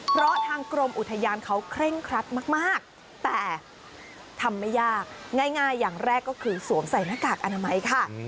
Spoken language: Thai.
เพราะทางกรมอุทยานเขาเคร่งครัดมากแต่ทำไม่ยากง่ายอย่างแรกก็คือสวมใส่หน้ากากอนามัยค่ะ